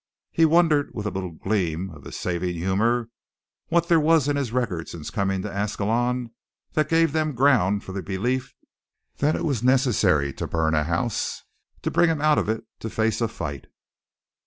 He wondered, with a little gleam of his saving humor, what there was in his record since coming to Ascalon that gave them ground for the belief that it was necessary to burn a house to bring him out of it to face a fight.